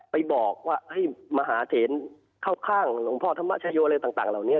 ไปบอกว่าให้มหาเถนเข้าข้างหลวงพ่อธรรมชโยอะไรต่างเหล่านี้